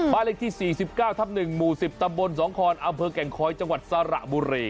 บ้านเล็กที่สี่สิบเก้าทับหนึ่งหมู่สิบตะบนสองคอนอำเภอแก่งคอยจังหวัดสระบุรี